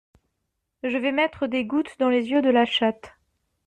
Je vais mettre des gouttes dans les yeux de la chatte.